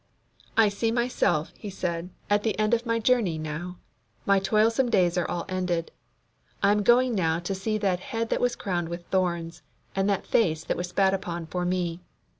"I see myself," he said, "at the end of my journey now. My toilsome days are all ended. I am going now to see that head that was crowned with thorns, and that face that was spat upon for me.